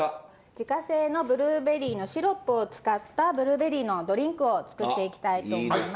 自家製のブルーベリーのシロップを使ったブルーベリーのドリンクを作っていきたいと思います。